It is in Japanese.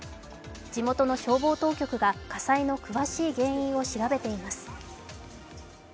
地元の消防当局が火災の詳しい原因を調べています。